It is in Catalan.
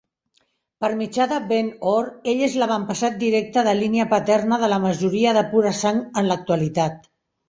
Per mitjà de Bend Or, ell és l"avantpassat directe de línia paterna de la majoria de pura sang en l"actualitat.